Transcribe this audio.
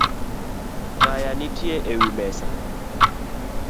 Taya nitie ewi mesa